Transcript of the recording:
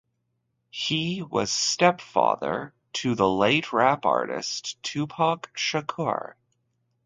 He was stepfather to the late rap artist Tupac Shakur.